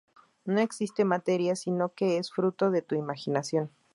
No existe materia, sino que es fruto de tu imaginación.